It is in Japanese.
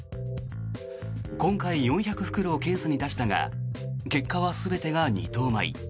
今回４００袋を検査に出したが結果は全てが二等米。